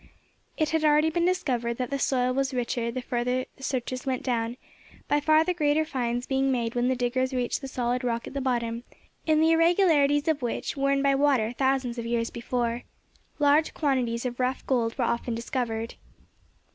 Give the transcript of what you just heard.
It had already been discovered that the soil was richer the further the searchers went down, by far the greater finds being made when the diggers reached the solid rock at the bottom, in the irregularities of which, worn by water thousands of years before, large quantities of rough gold were often discovered.